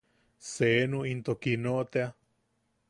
Senu into Kiino tea.